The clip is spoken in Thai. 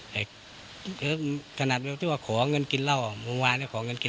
แต่ขนาดเอ๋วจะขอเงินกินเหรอวันวานนี้ของเงินกิน